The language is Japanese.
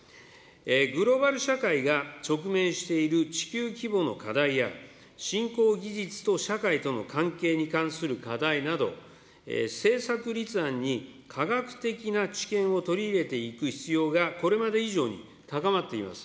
グローバル社会が直面している地球規模の課題や、振興技術と社会との関係に関する課題など、政策立案に科学的な知見を取り入れていく必要が、これまで以上に高まっています。